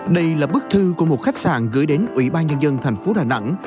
đây là bức thư của một khách sạn gửi đến ủy ban nhân dân thành phố đà nẵng